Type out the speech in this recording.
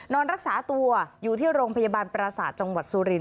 นอนรักษาตัวอยู่ที่โรงพยาบาลปราศาสตร์จังหวัดสุรินท